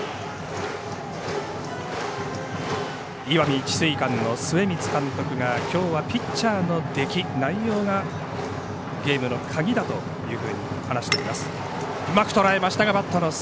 石見智翠館の末光監督がきょうはピッチャーの出来、内容がゲームの鍵だというふうに話しています。